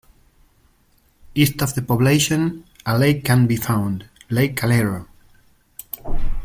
East of the poblacion a lake can be found, Lake Calero.